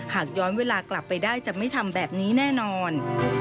หากย้อนเวลากลับไปได้จะไม่ทำแบบนี้แน่นอน